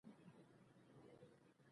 زه درباندې وياړم چې ستا غوندې پلار لرم.